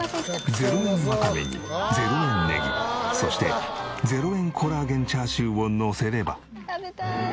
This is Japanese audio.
０円ワカメに０円ネギそして０円コラーゲンチャーシューをのせれば。